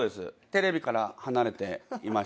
テレビから離れていまして。